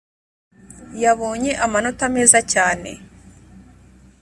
yabonye amanota meza cyane